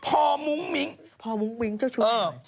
พ่อมุ้งมิ้งพ่อมุ้งมิ้งเจ้าชู้นี่ไง